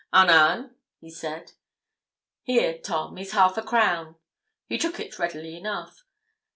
'Anan,' he said. 'Here, Tom, is half a crown.' He took it readily enough.